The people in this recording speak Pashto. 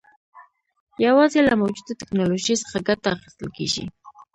یوازې له موجوده ټکنالوژۍ څخه ګټه اخیستل کېږي.